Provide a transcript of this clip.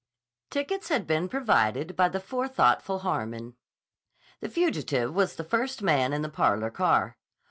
Tickets had been provided by the forethoughtful Harmon. The fugitive was the first man in the parlor car.